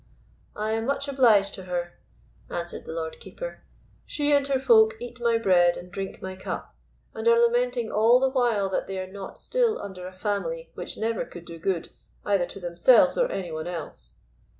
"I am much obliged to her," answered the Lord Keeper. "She and her folk eat my bread and drink my cup, and are lamenting all the while that they are not still under a family which never could do good, either to themselves or any one else!"